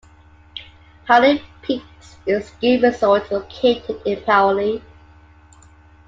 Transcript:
Paoli Peaks is a ski resort located in Paoli.